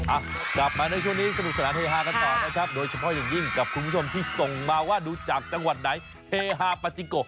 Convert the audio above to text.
อ่ะกลับมาในช่วงนี้สนุกสนานเฮฮากันต่อนะครับโดยเฉพาะอย่างยิ่งกับคุณผู้ชมที่ส่งมาว่าดูจากจังหวัดไหนเฮฮาปาจิโก